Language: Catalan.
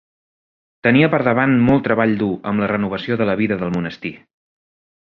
Tenia per davant molt treball dur amb la renovació de la vida del monestir.